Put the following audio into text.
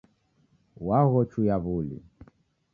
Waghochuya wuli